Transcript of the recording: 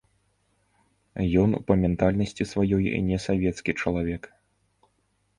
Ён па ментальнасці сваёй не савецкі чалавек.